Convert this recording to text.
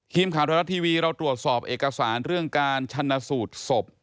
ทีมข่าวไทยรัฐทีวีเราตรวจสอบเอกสารเรื่องการชนะสูตรศพ